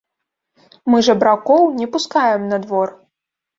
Мы жабракоў не пускаем на двор!